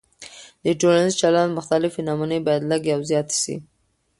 د ټولنیز چلند مختلفې نمونې باید لږې او زیاتې سي.